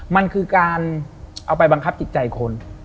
มันคือการเอาไปบังคับจิตใจคน